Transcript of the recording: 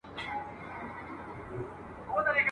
ربه ستا پر ستړې مځکه له ژوندونه یم ستومانه ..